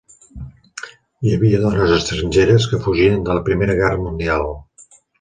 Hi havia dones estrangeres que fugien de la Primera Guerra Mundial.